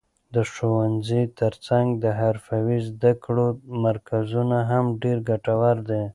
د ښوونځي تر څنګ د حرفوي زده کړو مرکزونه هم ډېر ګټور دي.